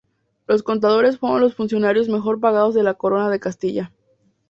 Los contadores fueron los funcionarios mejor pagados de la Corona de Castilla.